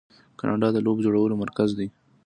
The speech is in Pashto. کاناډا د لوبو جوړولو مرکز دی.